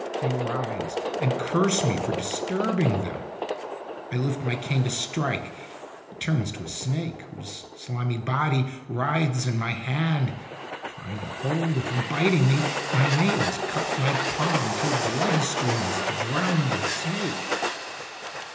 They rise and curse me for dis turbing them. I lift my cane to strike. It turns to a snake, whose slimy body writhes in my hand. Trying to hold it from biting me, my nails cut my palm till blood streams to drown the snake."